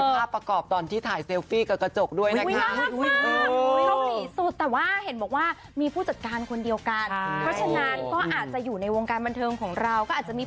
ถ้าไปไทยรัฐอย่าลืมสัมภาษณ์บุโกด้วยนะคุณพรี